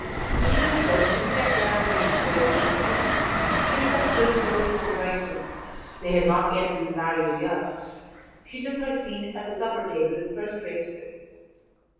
Mr. Crimsworth soon checked her animated scolding with a kiss a kiss that still told of the bridegroom (they had not yet been married a year); she took her seat at the supper table in first rate spirits.